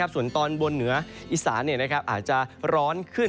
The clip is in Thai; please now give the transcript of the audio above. ส่วนตอนบนเหนืออีสานอาจจะร้อนขึ้น